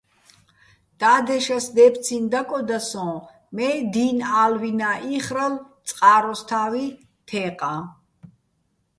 და́დეშას დეფცინო̆ დაკოდა სოჼ, მე დი́ნ ა́ლვინა́ იხრალო̆ წყაროსთა́ვი თე́ყაჼ.